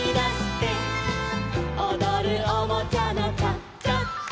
「おどるおもちゃのチャチャチャ」